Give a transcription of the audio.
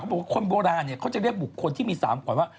บอกว่าคนโบราณเนี่ยเขาจะเรียกบุคคลที่มี๓ขวัญว่า